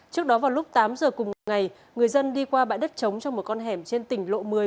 trước đó vào lúc tám giờ cùng ngày người dân đi qua bãi đất trống trong một con hẻm trên tỉnh lộ một mươi